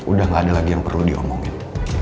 udah gak ada lagi yang perlu diomongin